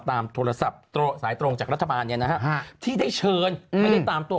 โทรศัพท์สายตรงจากรัฐบาลเนี่ยนะฮะที่ได้เชิญไม่ได้ตามตัว